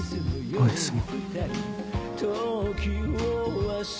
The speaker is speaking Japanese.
おやすみ。